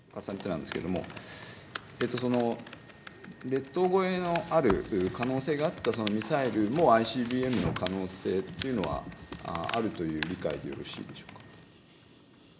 列島越えのある可能性があったそのミサイルもＩＣＢＭの可能性っていうのはあるという理解でよろしいでしょうか。